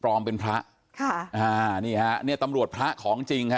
อมเป็นพระค่ะอ่านี่ฮะเนี่ยตำรวจพระของจริงฮะ